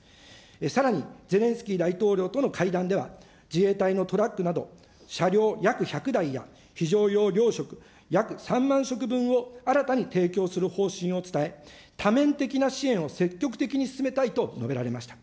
さらに、ゼレンスキー大統領との会談では、自衛隊のトラックなど、車両約１００台や、非常用糧食約３万食分を新たに提供する方針を伝え、多面的な支援を積極的に進めたいと述べられました。